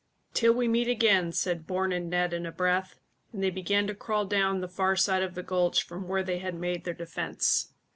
"Till we meet again," said Bourne and Ned in a breath, and they began to crawl down the far side of the gulch from where they had made their defence.